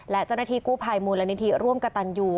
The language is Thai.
และเจ้าหน้าที่กู้ภัยมูลนิธิร่วมกระตันยู